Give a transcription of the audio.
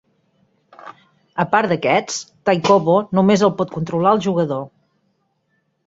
A part d'aquests, Taikobo només el pot controlar el jugador.